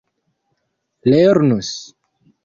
lernus